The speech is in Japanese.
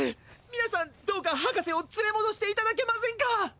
みなさんどうかはかせをつれもどしていただけませんか？